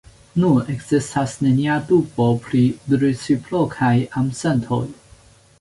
Nun ekzistas nenia dubo pri reciprokaj amsentoj.